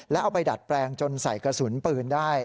แล้วเอาไปดัดแปลงจนใส่กระสุนปืนได้